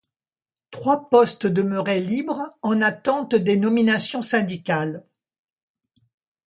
Trois postes demeuraient libre en attente des nominations syndicales.